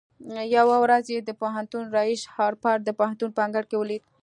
يوه ورځ يې د پوهنتون رئيس هارپر د پوهنتون په انګړ کې وليد.